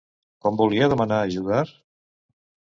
Com volia demanar ajudar?